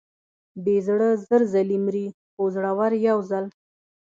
بې زړه زر ځلې مري، خو زړور یو ځل.